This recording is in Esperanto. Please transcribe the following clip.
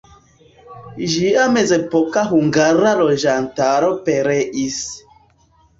Ĝia mezepoka hungara loĝantaro pereis.